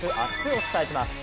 お伝えします。